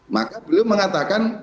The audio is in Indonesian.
maka beliau mengatakan